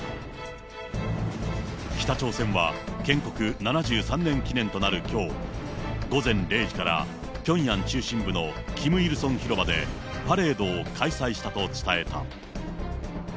北朝鮮は建国７３年記念となるきょう、午前０時からピョンヤン中心部のキム・イルソン広場でパレードを開催したと伝えた。